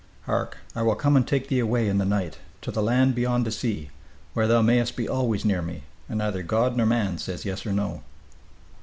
Hark! I will come and take thee away in the night, to the land beyond the sea, where thou mayest be always near me, and neither God nor man say yes or no!"